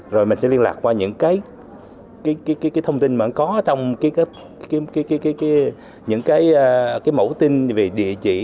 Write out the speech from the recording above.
rồi mình sẽ liên lạc qua những cái thông tin mà có trong những cái mẫu tin về địa chỉ